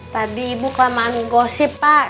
tadi ibu kelamaan gosip pak